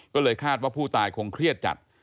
ก็เลยคาดว่าผู้ตายคงเครียดจัด